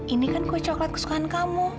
ini kan kue coklat kesukaan kamu